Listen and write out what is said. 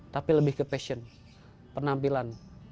tapi lebih ke passion penampilan